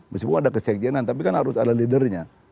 meskipun ada kesekjenan tapi kan harus ada leadernya